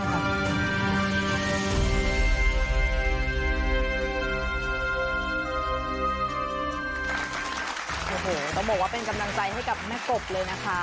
โอ้โหต้องบอกว่าเป็นกำลังใจให้กับแม่กบเลยนะคะ